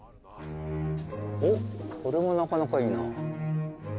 おっこれもなかなかいいな。